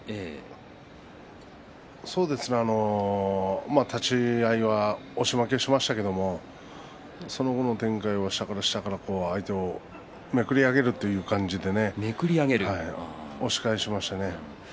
そうですね、立ち合いは押し負けしましたけれどもその後の展開は下から下から相手をめくり上げるという感じで押し返しましたね。